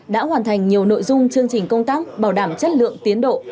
đã hoàn thành nhiều nội dung chương trình công tác bảo đảm chất lượng tiến độ